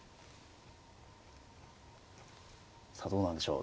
さあどうなんでしょう？